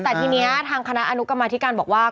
แต่ทีนี้ทางคณะอนุกรรมธิการบอกว่า